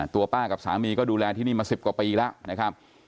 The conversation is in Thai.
ตัวป้ากับสามีก็ดูแลที่นี่มา๑๐กว่าปีแล้วนะครับ